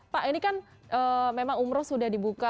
pak ini kan memang umrah sudah dibuka